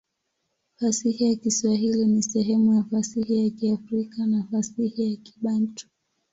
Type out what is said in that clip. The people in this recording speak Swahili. Fasihi ya Kiswahili ni sehemu ya fasihi ya Kiafrika na fasihi ya Kibantu.